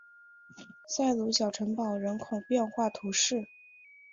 塞鲁小城堡人口变化图示